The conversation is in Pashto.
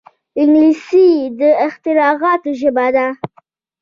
انګلیسي د اختراعاتو ژبه ده